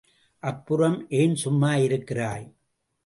அப்புறம் ஏன் சும்மா இருக்கிறாய்?